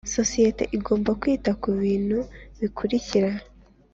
Sosiyete igomba kwita ku bintu bikurikira